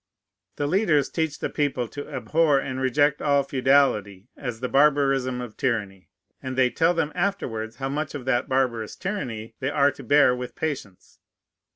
The leaders teach the people to abhor and reject all feodality as the barbarism of tyranny; and they tell them afterwards how much of that barbarous tyranny they are to bear with patience.